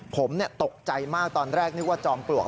ผมตกใจมากตอนแรกนึกว่าจอมปลวก